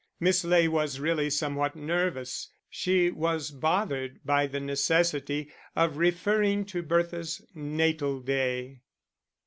Miss Ley was really somewhat nervous, she was bothered by the necessity of referring to Bertha's natal day.